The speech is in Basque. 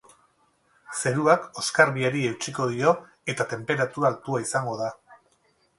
Zeruak oskarbiari eutsiko dio eta tenperatura altua izango da.